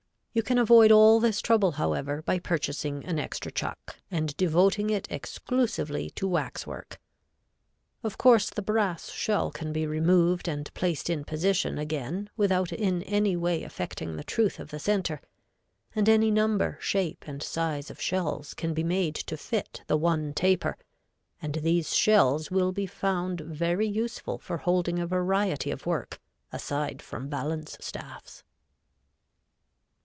You can avoid all this trouble, however, by purchasing an extra chuck and devoting it exclusively to wax work. Of course, the brass shell can be removed and placed in position again without in any way affecting the truth of the center, and any number, shape and size of shells can be made to fit the one taper, and these shells will be found very useful for holding a variety of work, aside from balance staffs.